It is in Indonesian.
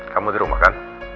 kamu di rumah kan